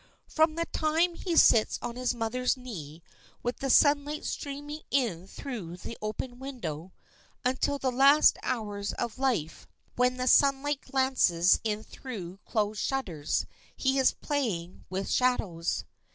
From the time he sits on his mother's knee, with the sunlight streaming in through the open window, until the last hours of life, when the sunlight glances in through closed shutters, he is playing with shadows.